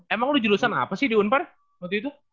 emang lu jurusan apa sih di unpar waktu itu